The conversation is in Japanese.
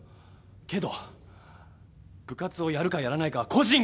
けど部活をやるかやらないかは個人が決めることです。